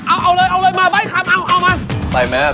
เอาเลยเอาเลยมาใช้คำเอามั้ย